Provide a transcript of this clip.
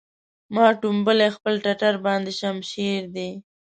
ما ټومبلی خپل ټټر باندې شمشېر دی